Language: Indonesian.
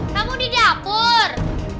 kamu di dapur